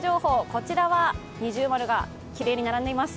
こちらは二重丸がきれいに並んでいます。